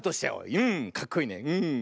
うんかっこいいねうん。